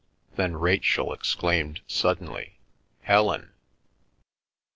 Then Rachel exclaimed suddenly, "Helen!"